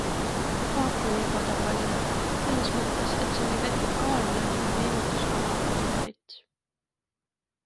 Paak oli ebatavaline, selles mõttes, et see oli vertikaalne ja meenutas vana boilerit.